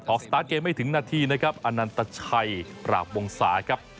สตาร์ทเกมไม่ถึงนาทีนะครับอนันตชัยปราบวงศาครับ